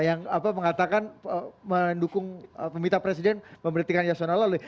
yang mengatakan mendukung peminta presiden pemerintah yasun al aloh